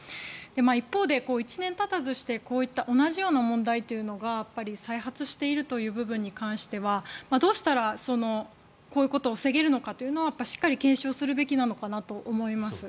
一方で、１年たたずしてこういった同じような問題が再発しているという部分に関してはどうしたらこういうことを防げるのかというのはしっかり検証するべきなのかなと思います。